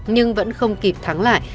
nhưng vẫn không kịp thắng lại